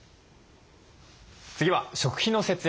次は食費の節約です。